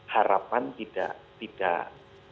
harapan tidak tidak